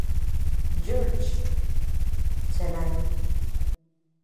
George, Chennai.